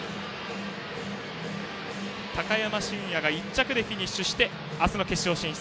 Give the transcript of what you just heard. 高山峻野、１着フィニッシュで明日の決勝進出。